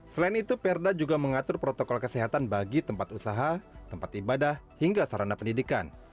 selain itu perda juga mengatur protokol kesehatan bagi tempat usaha tempat ibadah hingga sarana pendidikan